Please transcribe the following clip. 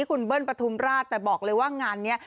คุณเบิ้ลปฐุมราชแต่บอกเลยว่างานนี้